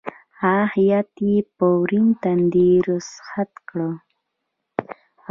هغه هېئت یې په ورین تندي رخصت کړ.